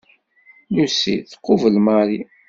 Lucie tqubel Marie.